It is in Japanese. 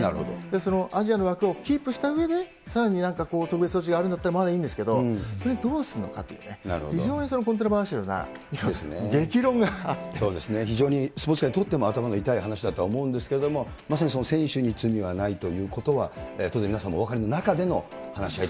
そのアジアの枠をキープしたうえで、さらになんかこう、特別措置があるんだったらまだいいんですけど、それどうするのかっていうね、そうですね、非常にスポーツ界にとっても頭の痛い話だと思うんですけれども、まさに選手に罪はないということは、当然、皆さんもお分かりの中での話し合いと。